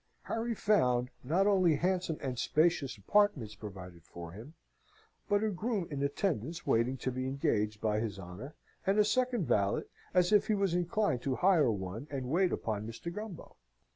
Harry found not only handsome and spacious apartments provided for him, but a groom in attendance waiting to be engaged by his honour, and a second valet, if he was inclined to hire one to wait upon Mr. Gumbo.